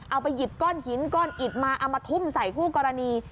เอาไปหยิบก้อนหินก้อนอิดมาเอามาทุ่มใส่คู่กรณี